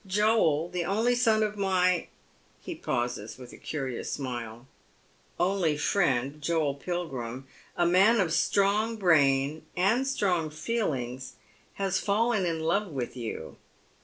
Joel — the only son of ray " he pauses with a curious smile — "only friend, Joel Pilgrim, a man of strong brain and strong feelings, has fallen in love with you.